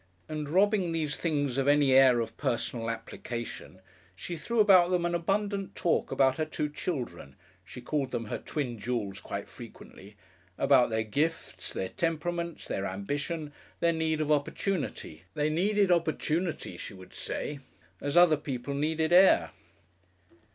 And robbing these things of any air of personal application, she threw about them an abundant talk about her two children she called them her Twin Jewels quite frequently about their gifts, their temperaments, their ambition, their need of opportunity. They needed opportunity, she would say, as other people needed air....